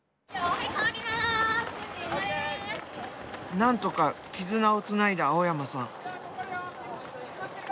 何とか「絆」をつないだ青山さん。